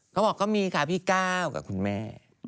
เขาบอกก็มีค่ะพี่ก้าวกับคุณแม่